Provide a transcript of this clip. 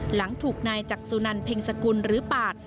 หลังถูกนายจักษุนันเพ็งสกุลหรือปาด